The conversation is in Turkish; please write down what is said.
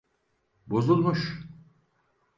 Bozulmuş.